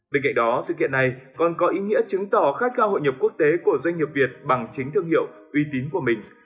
bên cạnh đó sự kiện này còn có ý nghĩa chứng tỏ khát khao hội nhập quốc tế của doanh nghiệp việt bằng chính thương hiệu uy tín của mình